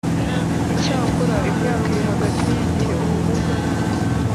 icyakora imyaka iri hagati y igihe ubumuga